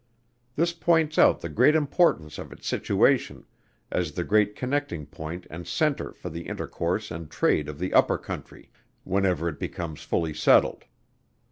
This points out the great importance of its situation, as the great connecting point and centre for the intercourse and trade of the upper country, whenever it becomes fully settled.